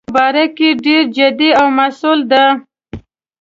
هغه د خپل کار په باره کې ډیر جدي او مسؤل ده